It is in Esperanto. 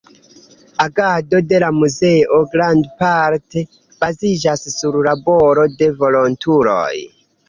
Agado de la muzeo grandparte baziĝas sur laboro de volontuloj.